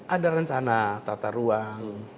ada rencana tata ruang